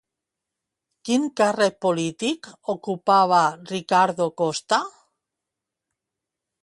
Quin càrrec polític ocupava Ricardo Costa?